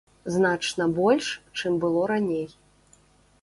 Значна больш, чым было раней.